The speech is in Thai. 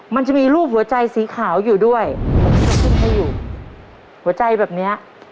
มันจะมีรูปหัวใจสีขาวอยู่ด้วยหัวใจแบบเนี้ย